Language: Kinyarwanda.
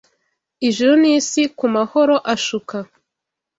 Ijuru n’isi kumahoro ashuka